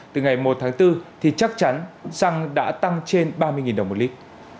từ ngày một tháng bốn thì chắc chắn xăng đã tăng trên ba mươi đồng một lít